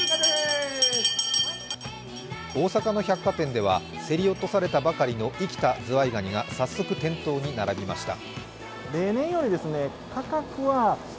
大阪の百貨店では競り落とされたばかりの生きたズワイガニが早速、店頭に並びました。